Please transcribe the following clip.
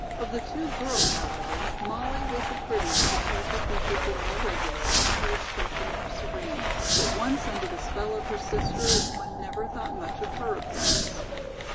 Of the two girls, however, Mollie was the prettier because her features were more regular and her expression more serene; but once under the spell of her sister, one never thought much of her appearance.